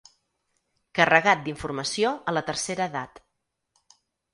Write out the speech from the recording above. Carregat d'informació a la tercera edat.